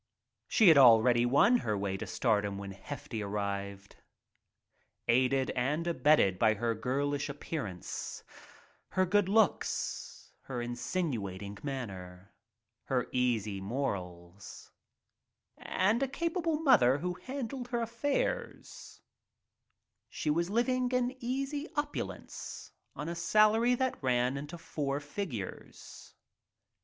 She had already won her way to stardom when Hefty arrived. Aided and abetted by her girlish appearance, her good looks, her insinuating manner, her easy morals^ — and a capable mother who handled her affairs — she was living in easy opulence on a salary that ran into four figures.